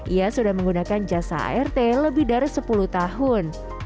ia sudah menggunakan jasa art lebih dari sepuluh tahun